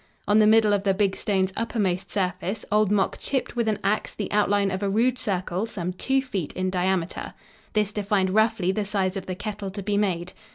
On the middle of the big stone's uppermost surface old Mok chipped with an ax the outline of a rude circle some two feet in diameter. This defined roughly the size of the kettle to be made.